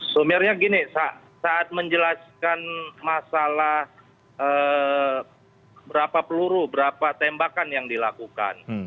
sumirnya gini saat menjelaskan masalah berapa peluru berapa tembakan yang dilakukan